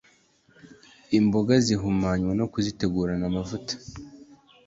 Imboga zihumanywa no kuzitegurana namavuta